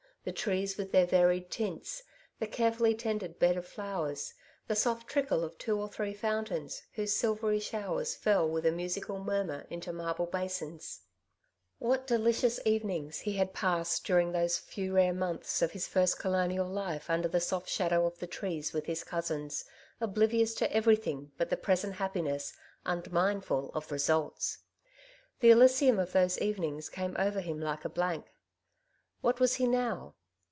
— the trees with their varied tints, the carefully tended bed of flowers, the soft trickle of two or three fountains, whose silvery showers fell with a musical murmur into marble basins. Bitter Disappointment. 195 What delicious evenings he had passed during those few rare months of his first colonial life under the soft shadow of the trees with his cousins, obli vious to everything but the present happiness, un mindful of results! The elysium of those evenings came over him like a blank. What was he now